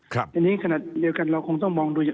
ครับทีนี้ขณะเดียวกันเราคงต้องมองดูอย่าง